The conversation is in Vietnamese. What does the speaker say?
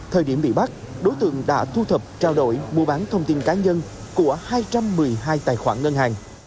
thời điểm bị bắt đối tượng đã thu thập trao đổi mua bán thông tin cá nhân của hai trăm một mươi hai tài khoản ngân hàng